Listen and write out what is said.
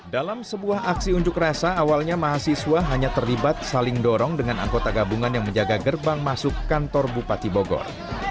dalam sebuah aksi unjuk rasa awalnya mahasiswa hanya terlibat saling dorong dengan anggota gabungan yang menjaga gerbang masuk kantor bupati bogor